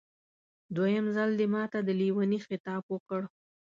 دویم ځل دې ماته د لېوني خطاب وکړ.